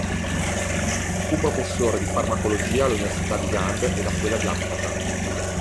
Fu professore di farmacologia all'università di Gand ed a quella di Amsterdam.